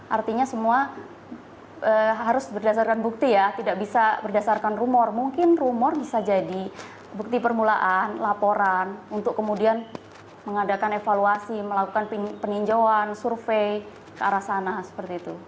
artinya semua harus berdasarkan bukti ya tidak bisa berdasarkan rumor mungkin rumor bisa jadi bukti permulaan laporan untuk kemudian mengadakan evaluasi melakukan peninjauan survei ke arah sana seperti itu